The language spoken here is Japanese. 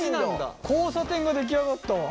交差点が出来上がったわ。